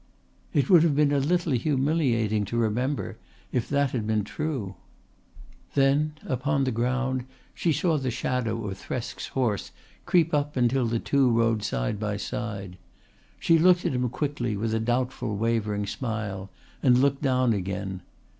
"It would have been a little humiliating to remember, if that had been true." Then upon the ground she saw the shadow of Thresk's horse creep up until the two rode side by side. She looked at him quickly with a doubtful wavering smile and looked down again.